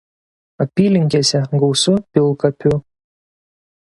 Apylinkėse gausu pilkapių.